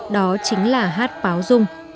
đó chính là hát báo dung